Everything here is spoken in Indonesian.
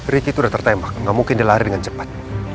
ricky tuh udah tertembak gak mungkin dia lari dengan cepat